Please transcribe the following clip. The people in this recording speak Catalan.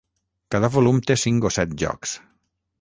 Cada volum té cinc o set jocs.